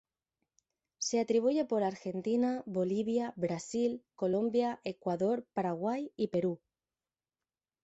Se distribuye por Argentina, Bolivia, Brasil, Colombia, Ecuador, Paraguay y Perú.